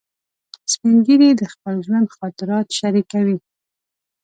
سپین ږیری د خپل ژوند خاطرات شریکوي